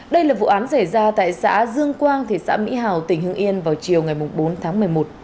đây là vụ án xảy ra tại xã dương quang thị xã mỹ hào tỉnh hưng yên vào chiều ngày bốn tháng một mươi một